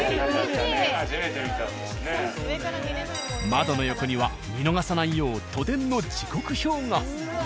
窓の横には見逃さないよう都電の時刻表が。